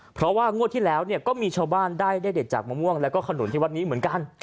เพราะว่างวดที่แล้วก็มีชาวบ้านได้เลขเด็ดจากมะม่วงแล้วก็ขนุนที่วัดนี้เหมือนกัน